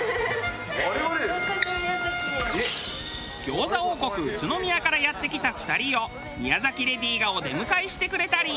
餃子王国宇都宮からやって来た２人を宮崎レディがお出迎えしてくれたり。